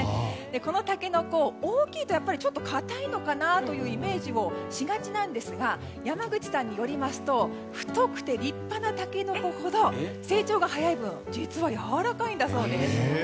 このタケノコ、大きいとやっぱりちょっと硬いのかなというイメージをしがちですが山口さんによりますと太くて、立派なタケノコほど成長が早い分実はやわらかいんだそうです。